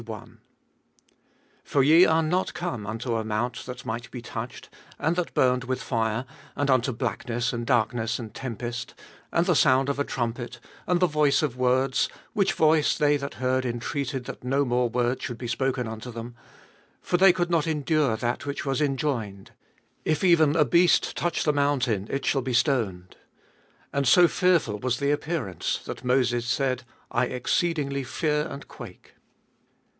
XII.— 18. For ye are not come unto a mount that might be touched, and that burned with fire, and unto blackness, and darkness, and tempest, 19. And the sound of a trumpet, and the voice of words ; which voice they that heard intreated that no word more should be spoken unto them: 20. For they could not endure that which was enjoined, If even a beast touch the mountain, It shall be stoned; 21. And so fearful was the appearance, that Moses said, I exceedingly fear and quake.